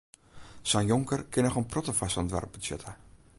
Sa'n jonker kin noch in protte foar sa'n doarp betsjutte.